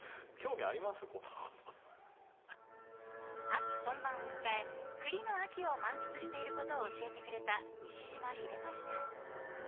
秋本番を迎え栗の秋を満喫していることを教えてくれた西島秀俊さん。